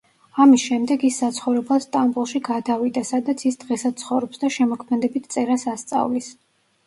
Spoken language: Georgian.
ამის შემდეგ, ის საცხოვრებლად სტამბოლში გადავიდა, სადაც ის დღესაც ცხოვრობს და შემოქმედებით წერას ასწავლის.